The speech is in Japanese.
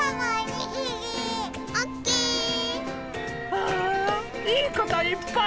ああいいこといっぱい！